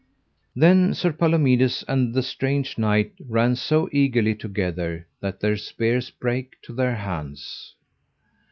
Then Sir Palomides and the strange knight ran so eagerly together that their spears brake to their hands.